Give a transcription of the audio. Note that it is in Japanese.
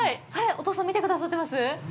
お父さん、見てくださってます？